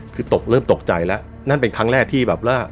คือตกเริ่มตกใจแล้วนั่นเป็นครั้งแรกที่แบบว่า